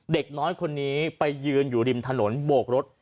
เด็กน้อยคนนี้ไปยืนอยู่ริมถนนโบกรถ